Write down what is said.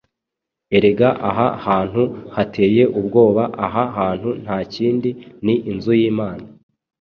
Erega aha hantu hateye ubwoba! Aha hantu nta kindi ni inzu y’Imana,